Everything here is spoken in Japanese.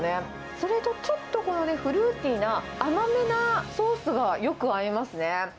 それとちょっと、このフルーティーな甘めなソースがよく合いますね。